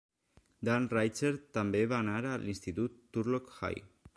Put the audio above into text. Dan Reichert també va anar a l'institut Turlock High.